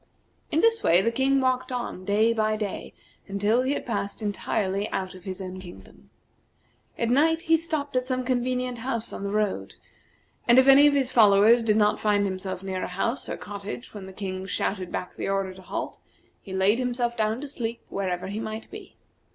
In this way the King walked on day by day until he had passed entirely out of his own kingdom. At night he stopped at some convenient house on the road, and if any of his followers did not find himself near a house or cottage when the King shouted back the order to halt, he laid himself down to sleep wherever he might be.